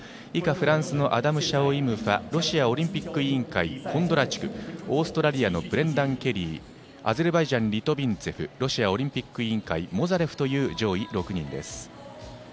以下、フランスのアダム・シャオイムファロシアオリンピック委員会コンドラチュクオーストラリアのブレンダン・ケリーアゼルバイジャンのリトビンツェフロシアオリンピック委員会モザレフという上位６人です。